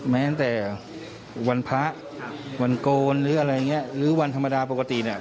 แม้แต่วันพระวันโกนหรืออะไรอย่างเงี้ยหรือวันธรรมดาปกติเนี่ย